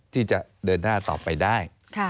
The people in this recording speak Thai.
ที่จะเดินหน้าต่อไปได้